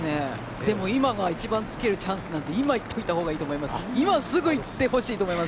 でも今が一番つけるチャンスなんで今行っといたほうがいいと思います。